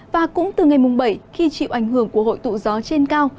và cũng từ ngày mùng bảy khi chịu ảnh hưởng của hội tụ gió trên cao